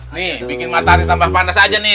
nih bikin matahari tambah panas aja nih